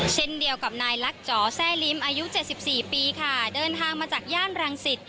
เช่นเดียวกับนายลักจอแซ่ลิ้มอายุ๗๔ปีค่ะเดินทางมาจากย่านรังสิต